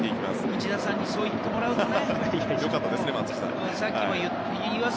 内田さんにそう言ってもらえるのはね。